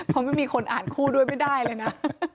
เพราะไม่มีคนอ่านคู่ด้วยไม่ได้เลยนะ